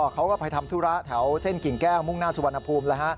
เขาก็ไปทำธุระแถวเส้นกิ่งแก้วมุ่งหน้าสุวรรณภูมิ